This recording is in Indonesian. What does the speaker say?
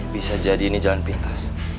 bisa jadi ini jalan pintas